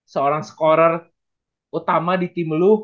seorang skor utama di tim lu